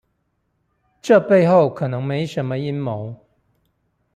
這背後可能沒什麼陰謀